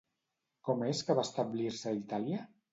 Com és que va establir-se a Itàlia?